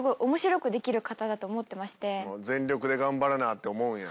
全力で頑張らなって思うんや。